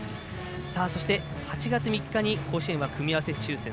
そして、８月３日に甲子園は組み合わせ抽せん。